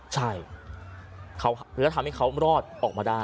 ใช่แล้วทำให้เขารอดออกมาได้